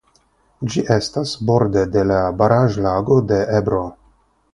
Ĝi estas borde de la Baraĵlago de Ebro.